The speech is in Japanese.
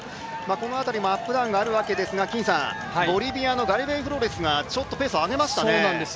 この辺りもアップダウンがあるわけですがボリビアのガリベイ・フロレスがちょっとペースを上げましたね。